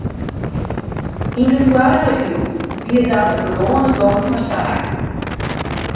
Yn de foarrige iuw wie dat de gewoane gong fan saken.